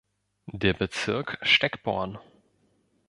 Der Bezirk Steckborn.